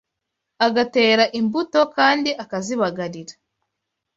agatera imbuto kandi akazibagarira